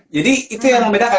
jadi itu yang membedakan